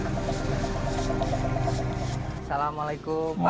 assalamualaikum pak aman